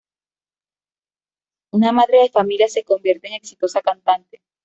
Una madre de familia se convierte en exitosa cantante.